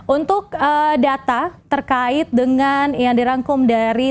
untuk data terkait dengan yang dirangkum dari